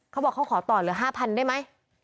เขาบอกเขาขอต่อเหลือ๕๐๐๐ได้ไหม